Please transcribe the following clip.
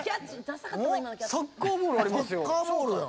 サッカーボールありますよ。